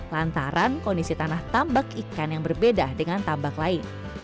lantaran kondisi tanah tambak ikan yang berbeda dengan tambak lain